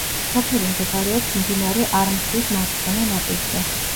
სოფელი მდებარეობს მდინარე არმხის მარცხენა ნაპირზე.